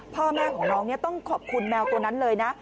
พ่อแม่ของน้องต้องขอบคุณแมวตัวนั้นเลยนะ